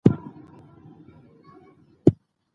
په هر حالت کې سخت کار وکړئ